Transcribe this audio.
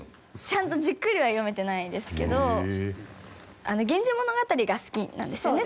ちゃんとじっくりは読めてないですけど『源氏物語』が好きなんですよね